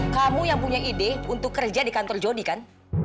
kamu yang punya ide untuk kerja di kantor jody kan